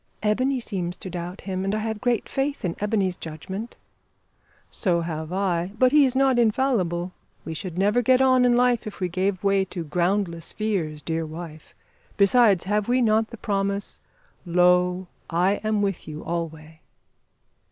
"Ebony seems to doubt him; and I have great faith in Ebony's judgment." "So have I; but he is not infallible. We should never get on in life if we gave way to groundless fears, dear wife. Besides, have we not the promise, `Lo, I am with you alway?'"